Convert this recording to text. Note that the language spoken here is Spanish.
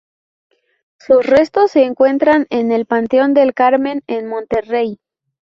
Sus restos se encuentran en el Panteón del Carmen, en Monterrey.